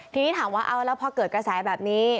ทีนี้ถามว่าเอาแล้วพอเกิดกระแสแบบนี้